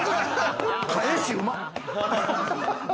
返し、うまっ！